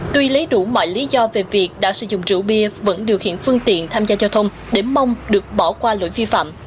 tuy lấy đủ mọi lý do về việc đã sử dụng rượu bia vẫn điều khiển phương tiện tham gia giao thông để mong được bỏ qua lỗi vi phạm